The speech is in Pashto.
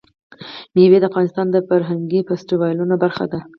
مېوې د افغانستان د فرهنګي فستیوالونو برخه ده.